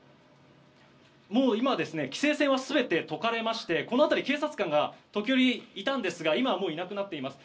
今、規制線は全て解かれましてこの辺り、警察官が時折いたんですが今はもういなくなっています。